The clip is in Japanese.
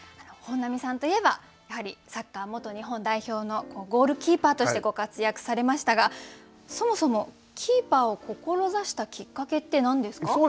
本並さんといえばやはりサッカー元日本代表のゴールキーパーとしてご活躍されましたがそもそもキーパーを志したきっかけって何ですか？